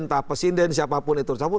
entah presiden siapapun itu siapapun